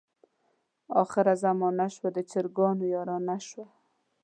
اخره زمانه شوه، د چرګانو یارانه شوه.